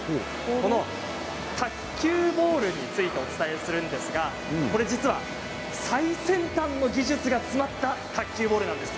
この卓球ボールについてお伝えするんですが、これ実は最先端の技術が詰まった卓球ボールなんです。